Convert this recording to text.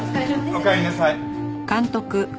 おかえりなさい。